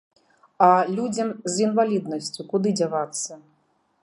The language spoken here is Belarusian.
А людзям з інваліднасцю куды дзявацца?